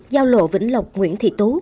giao lộ vĩnh lộc nguyễn thị tú